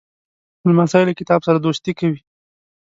لمسی له کتاب سره دوستي کوي.